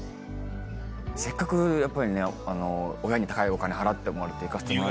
せっかくやっぱり親に高いお金払ってもらって行かせてもらって。